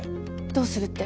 どうするって？